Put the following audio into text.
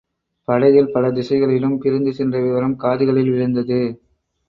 படைகள் பல திசைகளிலும் பிரிந்து சென்ற விவரமும் காதுகளில் விழுந்தது.